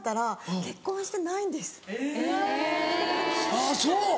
・あぁそう！